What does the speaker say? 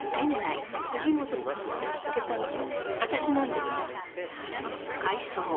杉本さんを見つけたのは私なんです。